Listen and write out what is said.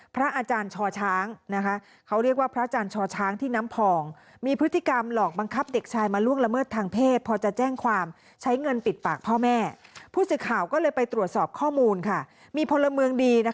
พระอาจารย์ช่อช้างนะคะเขาเรียกว่าพระอาจารย์ช่อช้างที่น้ำพองมีพฤติกรรมหลอกบังคับเด็กชายมาร่วงละเมืองทางเพศพอจะแจ้งความใช้เงินปิดปากพ่อแม่